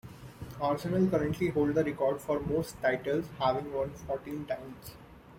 Arsenal currently hold the record for most titles, having won fourteen times.